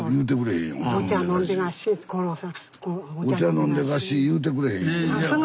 飲んでがっし言うてくれへん。